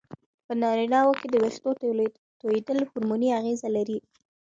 په نارینه وو کې وېښتو توېیدل هورموني اغېزه لري.